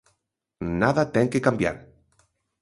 Nada ten que cambiar.